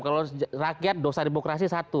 kalau rakyat dosa demokrasi satu